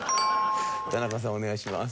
田中さんお願いします。